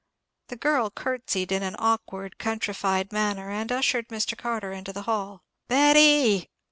The girl curtseyed in an awkward countrified manner, and ushered Mr. Carter into the hall. "Betty!"